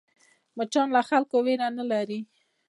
مچان له خلکو وېره نه لري